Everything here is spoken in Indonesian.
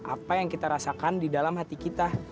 apa yang kita rasakan di dalam hati kita